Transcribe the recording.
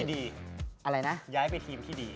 ย้ายไปทีมที่ดี